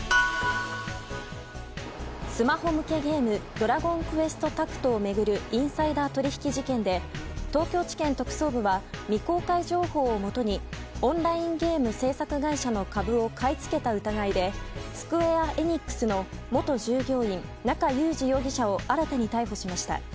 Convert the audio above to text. スマホ向けゲーム「ドラゴンクエストタクト」を巡るインサイダー取引事件で東京地検特捜部は未公開情報をもとにオンラインゲーム制作会社の株を買い付けた疑いでスクウェア・エニックスの元従業員、中裕司容疑者を新たに逮捕しました。